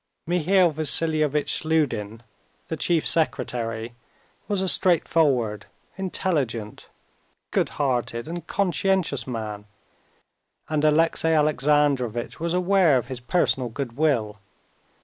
Mihail Vassilievitch Sludin, the chief secretary, was a straightforward, intelligent, good hearted, and conscientious man, and Alexey Alexandrovitch was aware of his personal goodwill.